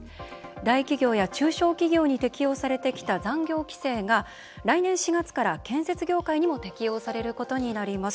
大企業や、中小企業に適用されてきた残業規制が来年４月から建設業界にも適用されることになります。